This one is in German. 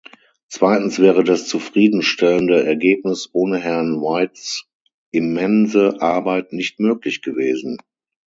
Zweitens wäre das zufriedenstellende Ergebnis ohne Herrn Whites immense Arbeit nicht möglich gewesen.